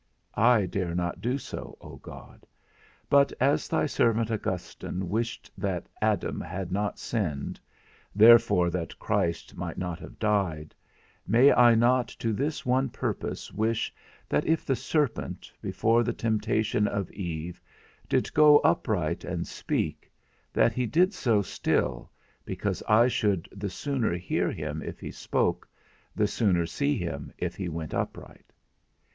I dare not do so, O God; but as thy servant Augustine wished that Adam had not sinned, therefore that Christ might not have died, may I not to this one purpose wish that if the serpent, before the temptation of Eve, did go upright and speak, that he did so still, because I should the sooner hear him if he spoke, the sooner see him if he went upright?